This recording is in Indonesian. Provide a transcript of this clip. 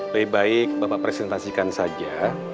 lebih baik bapak presentasikan saja